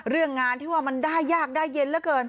เรื่องงานที่ว่ามันได้ยากได้เย็นเหลือเกิน